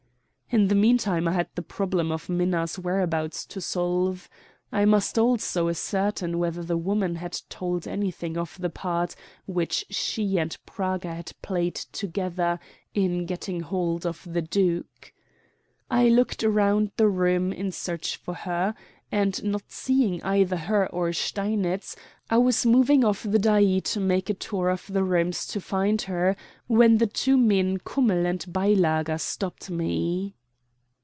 In the mean time I had the problem of Minna's whereabouts to solve. I must also ascertain whether the woman had told anything of the part which she and Praga had played together in getting hold of the duke. I looked round the room in search of her, and, not seeing either her or Steinitz, I was moving off the dais to make a tour of the rooms to find her, when the two men Kummell and Beilager stopped me.